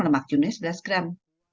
lemak jenuhnya sebelas gram